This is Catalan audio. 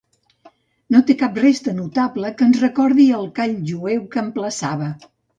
No té cap resta notable que ens recordi el call jueu que emplaçava.